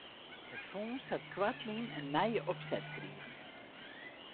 It fûns hat koartlyn in nije opset krigen.